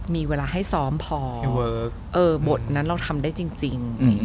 มีเวลาให้ซ้อมพอบทนั้นเราทำได้จริง